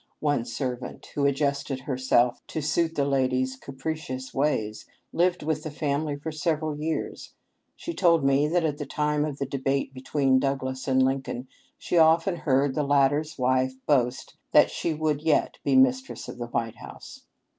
One servant, who adjusted herself to suit the lady's ca pricious ways, lived with the family for several years. She told me that at the time of the debate be tween Douglas and Lincoln she often heard the lat ter's wife boast that she would yet be mistress of the White House.